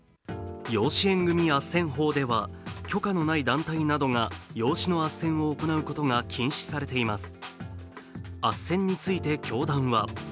養子縁組あっせん法では許可のない団体などが養子のあっせんを行うことが禁止されています。